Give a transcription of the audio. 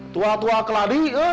tua tua keladi kan